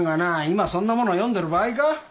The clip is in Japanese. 今そんなもの読んでる場合か？